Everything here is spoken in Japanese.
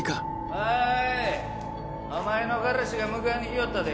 おいお前の彼氏が迎えに来よったで。